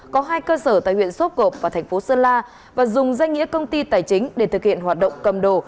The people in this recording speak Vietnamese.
có hai cơ sở tại huyện sốp cộp và thành phố sơn la và dùng danh nghĩa công ty tài chính để thực hiện hoạt động cầm đồ